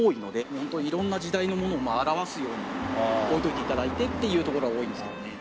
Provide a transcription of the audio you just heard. ホント色んな時代のものを表すように置いといて頂いてっていうところが多いんですけどね。